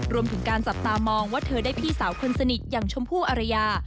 รวมถึงการจับตามองว่าเธอได้พี่สาวคนสนิทอย่างชมพู่อารยา